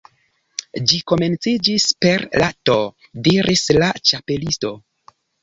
"Ĝi komenciĝis per la T " diris la Ĉapelisto.